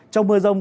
trong mưa rông